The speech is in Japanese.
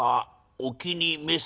お気に召す方」。